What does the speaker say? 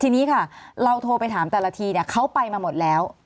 ทีนี้ค่ะเราโทรไปถามแต่ละทีเขาไปมาหมดแล้ว